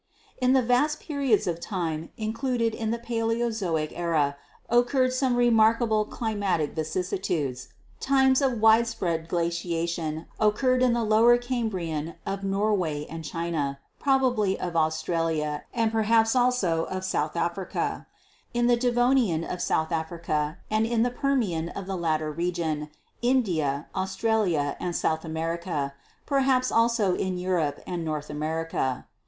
"In the vast periods of time included in the Paleozoic era occurred some remarkable climatic vicissitudes. Times of widespread glaciation occurred in the Lower Cambrian of Norway and China, probably of Australia and perhaps also of South Africa, in the Devonian of South Africa and in the Permian of the latter region, India, Australia and South America, perhaps also in Europe and North Amer ica.